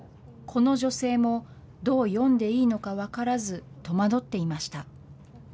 この女性も、どう読んでいいのか分からず、戸惑っていました。